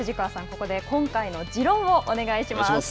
ここで今回の自論をお願いします。